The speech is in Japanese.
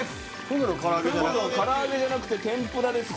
フグの唐揚げじゃなくて天ぷらです